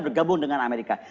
bergabung dengan amerika